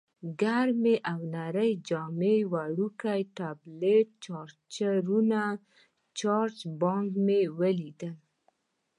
ګرمې او نرۍ جامې، وړوکی ټابلیټ، چارجرونه، چارج بانک مې ولیدل.